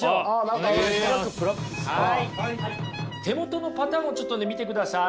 手元のパターンをちょっと見てください。